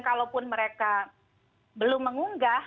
kalaupun mereka belum mengunggah